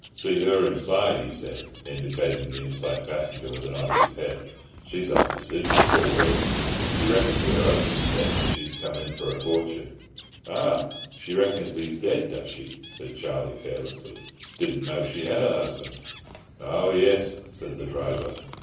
"See her inside?" he said, indicating the inside passenger with a nod of his head. "She's off to Sydney, full rip. She reckons her husband's dead, and she's came in for a fortune." "Oh, she reckons he's dead, does she?" said Charlie carelessly. "Didn't know she had a husband." "Ho yes," said the driver.